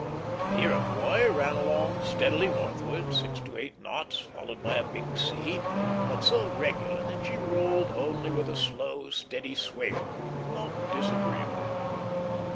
The Iroquois ran along steadily northward, six to eight knots, followed by a big sea, but so regular that she rolled only with a slow, steady swing, not disagreeable.